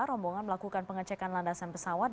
rombongan melakukan pengecekan landasan pesawat